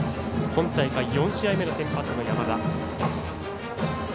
今大会、４試合目の先発の山田。